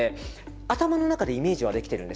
頭の中でイメージはできてるんですね。